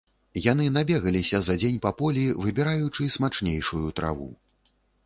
Яны набегаліся за дзень па полі, выбіраючы смачнейшую траву.